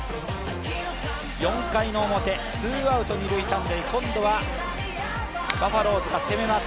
４回表、ツーアウト二・三塁、今度はバファローズが攻めます。